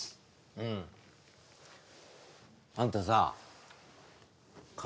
うんあんたさ顔